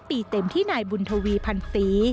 ปีเต็มที่นายบุญทวีพันปี